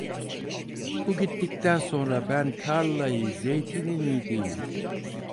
Bu gittikten sonra ben tarlayı, zeytini n'ideyim?